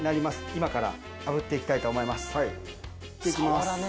今からあぶっていきたいと思います。